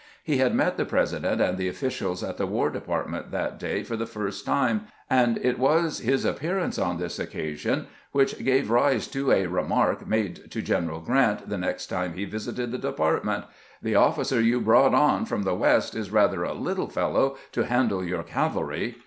He had met the President and the officials at the War Department that day for the first time, and it was his appearance on this occasion which gave rise to a remark made to G eneral Grrant the next time he visited the department :" The officer you brought on from the West is rather a little fellow to handle your cavalry."